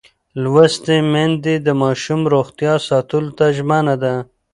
لوستې میندې د ماشوم روغتیا ساتلو ته ژمنه ده.